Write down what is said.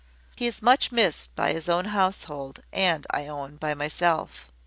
He is much missed by his household, and, I own, by myself.